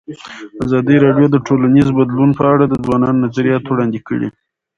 ازادي راډیو د ټولنیز بدلون په اړه د ځوانانو نظریات وړاندې کړي.